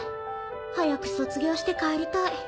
早く卒業して帰りたい。